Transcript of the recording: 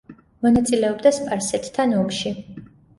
მონაწილეობდა სპარსეთთან ომში.